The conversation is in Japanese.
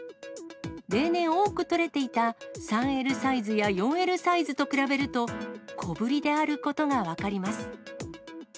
例年多く取れていた３Ｌサイズや４Ｌサイズと比べると、小ぶりであることが分かります。